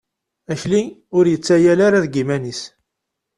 Akli, ur yettayal ara deg yiman-is.